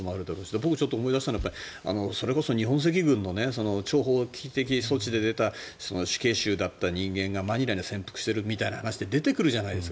僕がちょっと思い出したのはそれこそ日本赤軍の超法規的措置で出た死刑囚だった人間がマニラに潜伏してるみたいな話って出てくるじゃないですか。